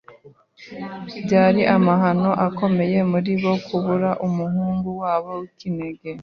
Byari amahano akomeye kuri bo kubura umuhungu wabo w'ikinege.